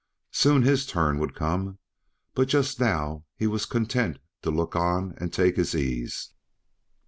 Soon his turn would come, but just now he was content to look on and take his ease.